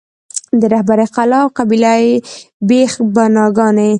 د رهبرۍ خلا او قبیله یي بېخ بناګانې.